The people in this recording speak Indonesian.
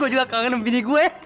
gue juga kangen sama bini gue